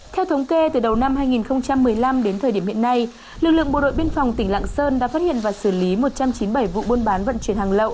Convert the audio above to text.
theo thống kê từ đầu năm hai nghìn một mươi năm đến thời điểm hiện nay lực lượng bộ đội biên phòng tỉnh lạng sơn đã phát hiện và xử lý một trăm chín mươi bảy vụ buôn bán vận chuyển hàng lậu